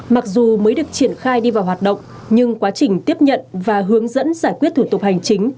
mặc dù mới được triển khai đi vào hoạt động nhưng quá trình tiếp nhận và hướng dẫn giải quyết thủ tục hành chính